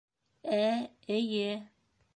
- Ә, эйе...